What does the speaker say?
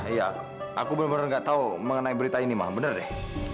iya aku benar benar gak tahu mengenai berita ini ma benar deh